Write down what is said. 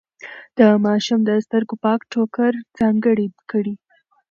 د ماشوم د سترګو پاک ټوکر ځانګړی کړئ.